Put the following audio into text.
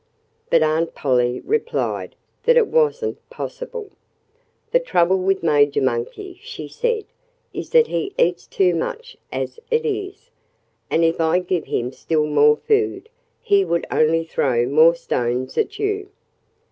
But Aunt Polly replied that it wasn't possible. "The trouble with Major Monkey," she said, "is that he eats too much as it is. And if I gave him still more food he would only throw more stones at you."